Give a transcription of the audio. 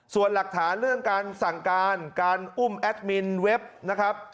ส่วนหลักฐานเรื่องการสั่งการการอุ้มแอดมินเว็บนะครับ